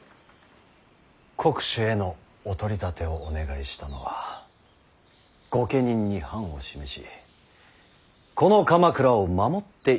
国守へのお取り立てをお願いしたのは御家人に範を示しこの鎌倉を守っていただきたいからです。